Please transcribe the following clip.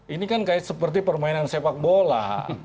ini kan seperti permainan sepak bola